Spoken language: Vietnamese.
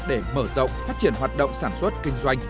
để mở rộng phát triển hoạt động sản xuất kinh doanh